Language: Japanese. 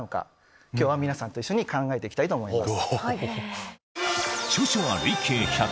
今日は皆さんと一緒に考えていきたいと思います。